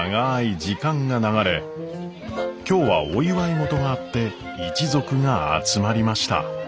今日はお祝い事があって一族が集まりました。